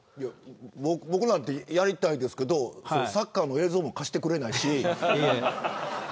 僕だってやりたいですけどサッカーの映像も貸してくれないし。